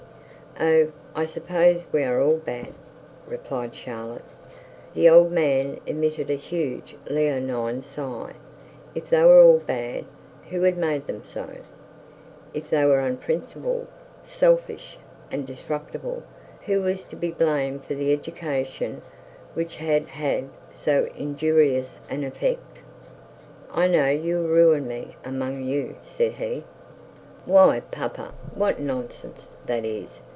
'Oh, I suppose we are all bad,' replied Charlotte. The old man emitted a huge leonine sigh. If they were all bad, who had made them so? If they were unprincipled, selfish, and disreputable, who was to be blamed for the education which had had so injurious an effect. 'I know you'll ruin me among you,' said he. 'Why, papa, what nonsense that is.